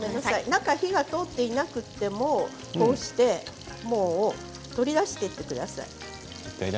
中に火が通ってなくても取り出してください。